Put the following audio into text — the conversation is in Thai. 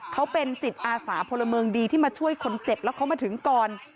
เขาเป็นจิตอาสาพลเมืองดีที่มาช่วยคนเจ็บแล้วเขามาถึงก่อน